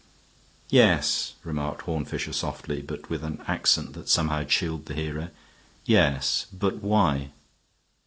"Yes," remarked Horne Fisher, softly, but with an accent that somehow chilled the hearer. "Yes. But why?"